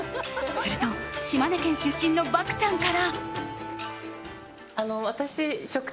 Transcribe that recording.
すると島根県出身の漠ちゃんから。